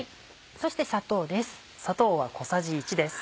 そして砂糖です。